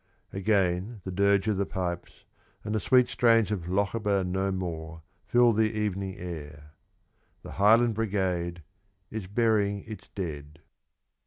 Again the dirge of the pipes, and the sweet strains of "Lochaber no more" fill the evening air. The Highland Brigade is burying its dead.